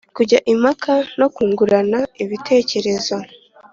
kujya impaka no kungurana ibitekerezo